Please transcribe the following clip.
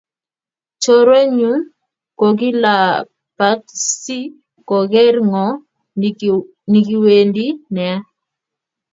Chorwet nyun kokilapat si koker ngo nikiwendi nea.